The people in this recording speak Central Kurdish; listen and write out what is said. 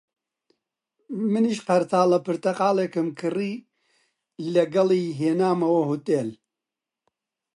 منیش قەرتاڵە پرتەقاڵێکم کڕی، لەگەڵی هێنامەوە ئوتێل